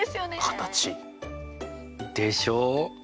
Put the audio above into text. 形？でしょ？